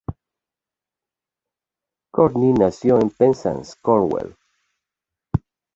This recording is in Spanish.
Courtney nació en Penzance, Cornwall.